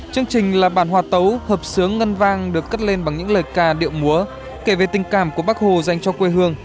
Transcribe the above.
chương trình là bản hòa tấu hợp sướng ngân vang được cất lên bằng những lời ca điệu múa kể về tình cảm của bác hồ dành cho quê hương